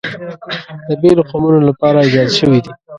د بېلو قومونو لپاره ایجاد شوي دي.